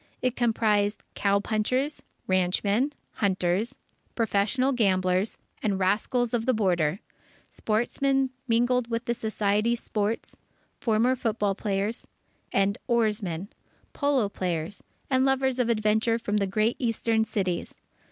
It comprised cow punchers, ranchmen, hunters, professional gamblers, and rascals of the Border, sportsmen, mingled with the society sports, former football players and oarsmen, polo players, and lovers of adventure from the great eastern cities.